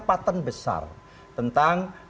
patent besar tentang